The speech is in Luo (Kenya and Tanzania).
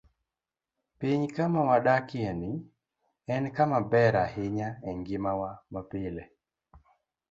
Piny mwadakieni en kama ber ahinya e ngimawa mapile.